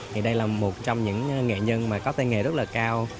thì đây là một trong những nghệ nhân có tên nghề rất là cao